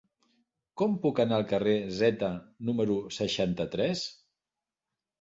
Com puc anar al carrer Zeta número seixanta-tres?